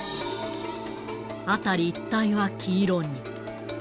辺り一帯は黄色に。